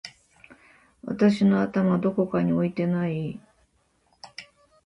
私の頭どこかに置いてない？！